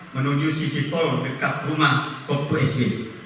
menuju sisi tol dekat rumah kop dua sb